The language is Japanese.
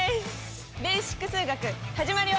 「ベーシック数学」始まるよ！